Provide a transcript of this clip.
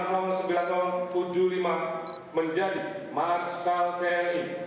lfp lima ratus sembilan ribu tujuh puluh lima menjadi marshal tni